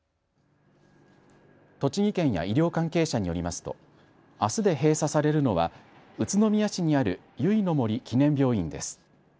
栃木県や医療関係者によりますとあすで閉鎖されるのは宇都宮市にあるゆいの杜記念病院です。